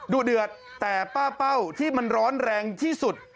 ดุเดือดแต่ป้าเป้าที่มันร้อนแรงที่สุด